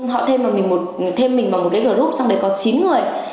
họ thêm mình vào một cái group trong đấy có chín người